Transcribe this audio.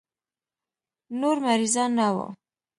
نور مريضان نه وو.